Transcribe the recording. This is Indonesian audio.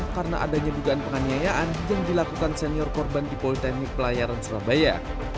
karena adanya dugaan penganiayaan yang dilakukan senior korban di politeknik layaran surabaya